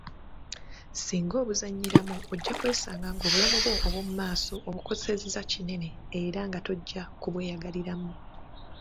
Singa obuzannyiramu ojja kwesanga ng’obulamu bwo obw’omu maaso obukosezza kinene era nga tojja ku bw'eyagaliramu.